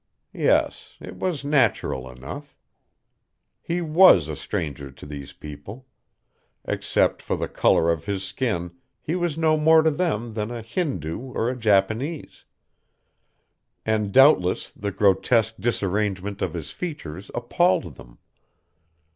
Yes, it was natural enough. He was a stranger to these people. Except for the color of his skin, he was no more to them than a Hindoo or a Japanese. And doubtless the grotesque disarrangement of his features appalled them.